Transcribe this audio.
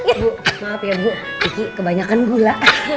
bu maaf ya bu gigi kebanyakan gula